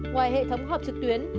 ngoài hệ thống họp trực tuyến